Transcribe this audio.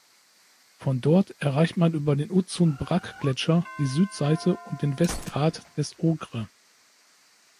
Von dort erreicht man über den Uzun-Brakk-Gletscher die Südseite und den Westgrat des Ogre.